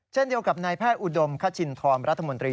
เช่นเดียวกับนายแพทย์อุดมคชินทรรัฐมนตรี